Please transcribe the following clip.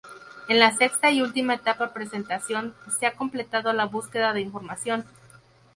En la sexta y última etapa, presentación, se ha completado la búsqueda de información.